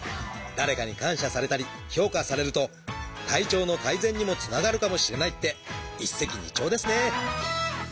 誰かに感謝されたり評価されると体調の改善にもつながるかもしれないって一石二鳥ですね。